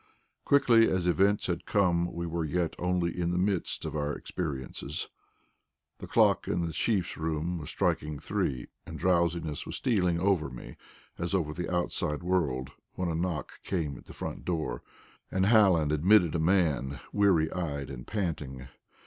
Quickly as events had come, we were yet only in the midst of our experiences. The clock in the Chief's room was striking three, and drowsiness was stealing over me, as over the outside world, when a knock came at the front door and Hallen admitted a man, weary eyed and panting.